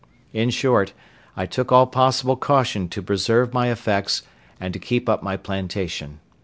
In short, I took all possible caution to preserve my effects and to keep up my plantation.